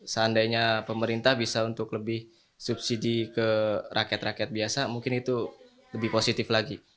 seandainya pemerintah bisa untuk lebih subsidi ke rakyat rakyat biasa mungkin itu lebih positif lagi